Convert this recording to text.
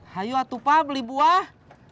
hayu atu pa beli buah